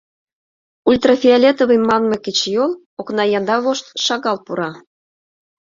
Ультрафиолетовый манме кечыйол окна янда вошт шагал пура...